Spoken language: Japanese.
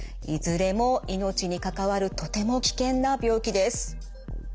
いずれも命に関わるとても危険な病気です。